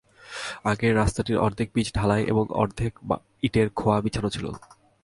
আগে রাস্তাটির অর্ধেক পিচ ঢালাই এবং অর্ধেক ইটের খোয়া বিছানো ছিল।